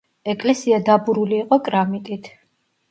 ეკლესია დაბურული იყო კრამიტით.